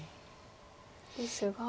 ですが。